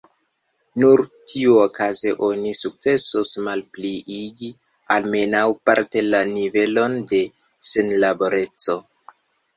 Nur tiuokaze oni sukcesos malpliigi almenaŭ parte la nivelon de senlaboreco.